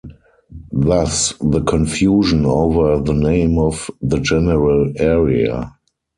Thus the confusion over the name of the general area.